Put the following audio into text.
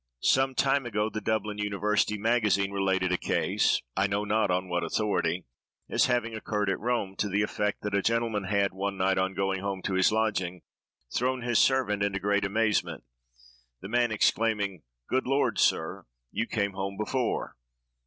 Some time ago, the "Dublin University Magazine" related a case—I know not on what authority—as having occurred at Rome, to the effect that a gentleman had, one night on going home to his lodging, thrown his servant into great amazement, the man exclaiming, "Good Lord, sir, you came home before!"